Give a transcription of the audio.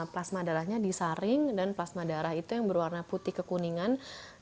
plasma darahnya disaring dan plasma darah itu yang berwarna putih kekuningan